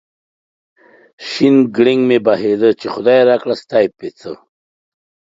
شنه گړنگ مې بهيده ، چې خداى راکړه ستا يې څه ؟